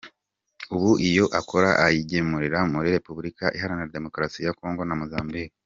Ubu iyo akora ayigemura muri Repubulika Iharanira Demokarasi ya Congo na Mozambique.